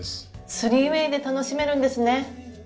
３ＷＡＹで楽しめるんですね。